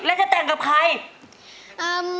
แล้วจะแต่งกับใคร